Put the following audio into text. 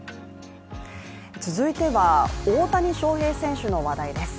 続いては大谷翔平選手の話題です。